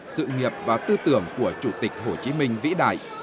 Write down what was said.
sự nghiệp và tư tưởng của chủ tịch hồ chí minh vĩ đại